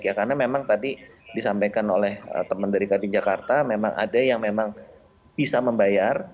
karena memang tadi disampaikan oleh teman dari kt jakarta memang ada yang memang bisa membayar